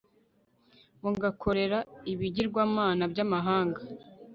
mugakorera ibigirwamana by'amahanga